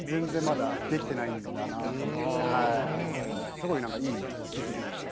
すごい何かいい気付きでした。